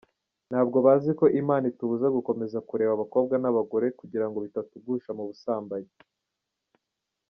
Ntabwo bazi ko imana itubuza gukomeza kureba abakobwa n’abagore, kugirango bitatugusha mu busambanyi.